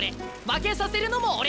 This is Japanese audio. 負けさせるのも俺！